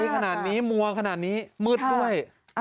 ขนาดนี้มัวขนาดนี้มืดด้วย